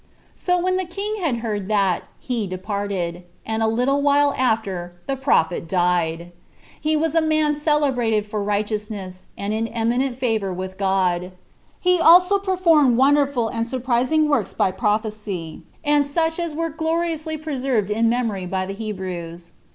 So when the king had heard that, he departed; and a little while after the prophet died. He was a man celebrated for righteousness, and in eminent favor with God. He also performed wonderful and surprising works by prophecy, and such as were gloriously preserved in memory by the Hebrews.